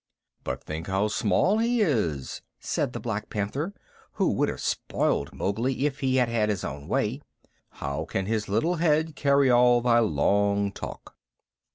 "But think how small he is," said the Black Panther, who would have spoiled Mowgli if he had had his own way. "How can his little head carry all thy long talk?"